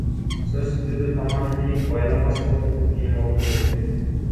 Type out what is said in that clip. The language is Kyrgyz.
Сөзсүз түрдө — таманы бийик, байлама спорттук бут кийим алуу керек.